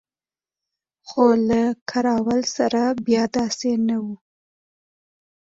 خو له کراول سره بیا داسې نه وو.